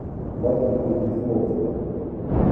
Васеньку Весловского.